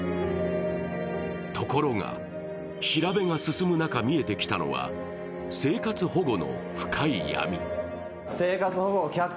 ところが、調べが進む中、見えてきたのは生活保護の深い闇。